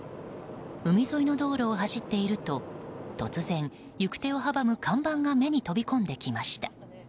海沿いの道路を走っていると突然行く手を阻む看板が目に飛び込んできました。